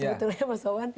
sebetulnya mas om wan